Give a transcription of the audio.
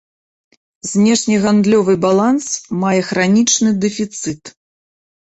Знешнегандлёвы баланс мае хранічны дэфіцыт.